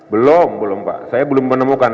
belum belum pak saya belum menemukan